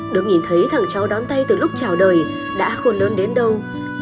được nhìn thấy cháu đón tay từ lúc trào đời đã khôn lớn đến đâu